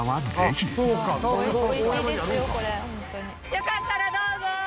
よかったらどうぞ！